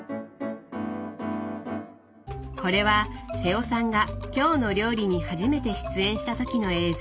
これは瀬尾さんが「きょうの料理」に初めて出演した時の映像。